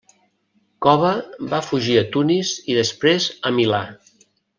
Cova va fugir a Tunis i després a Milà.